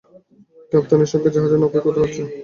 কাপ্তেনের সঙ্গে জাহাজে নৌকায় কথা হচ্ছে।